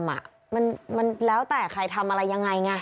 มันแล้วแต่ใครทำอะไรยังไงไง